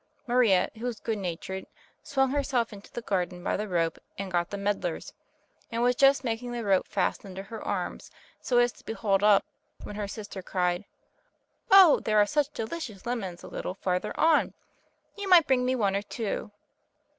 Maria, who was good natured, swung herself into the garden by the rope, and got the medlars, and was just making the rope fast under her arms so as to be hauled up, when her sister cried: "Oh, there are such delicious lemons a little farther on. You might bring me one or two."